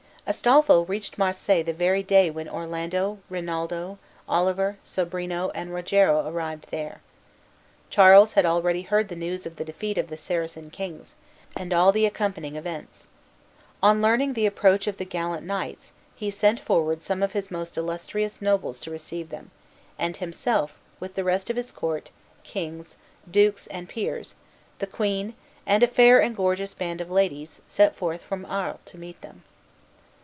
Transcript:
Astolpho reached Marseilles the very day when Orlando, Rinaldo, Oliver, Sobrino, and Rogero arrived there. Charles had already heard the news of the defeat of the Saracen kings, and all the accompanying events. On learning the approach of the gallant knights, he sent forward some of his most illustrious nobles to receive them, and himself, with the rest of his court, kings, dukes, and peers, the queen, and a fair and gorgeous band of ladies, set forward from Arles to meet them.